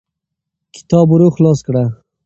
کتاب ورو خلاص کړه.